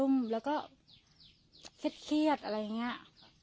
มันรีบรุ่นแล้วเครียด